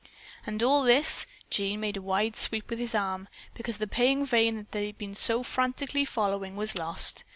"And all this," Jean made a wide sweep with his arm, "because the paying vein they had been so frantically following was lost.